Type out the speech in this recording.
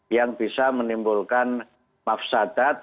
yang bisa menimbulkan mafsadat